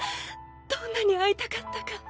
どんなに会いたかったか。